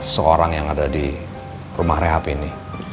seorang yang ada di rumah rehab ini